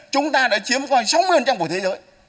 chúng ta đã chiếm khoảng sáu mươi của thế giới